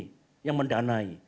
pihak ini yang mendanai